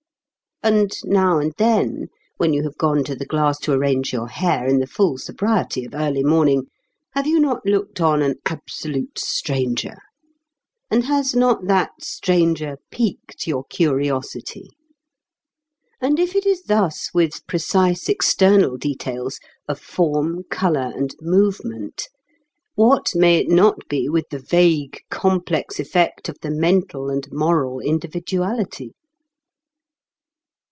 And now and then, when you have gone to the glass to arrange your hair in the full sobriety of early morning, have you not looked on an absolute stranger, and has not that stranger piqued your curiosity? And if it is thus with precise external details of form, colour, and movement, what may it not be with the vague complex effect of the mental and moral individuality?